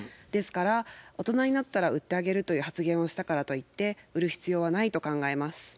ですから大人になったら売ってあげるという発言をしたからといって売る必要はないと考えます。